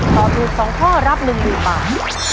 ตอบถูก๒ข้อรับ๑๐๐๐บาท